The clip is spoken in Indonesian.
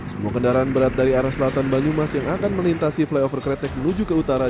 semua kendaraan berat dari arah selatan banyumas yang akan melintasi flyover kretek menuju ke utara